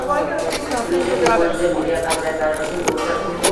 Turizm rivojida milliy qadriyatlarimizning o‘rni